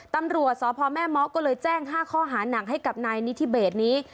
ตำรวจสพแม่เมาะก็เลยแจ้ง๕ข้อหาหนักให้กับนายนิธิเบสนี้